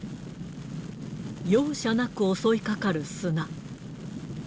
容赦なく襲いかかる砂。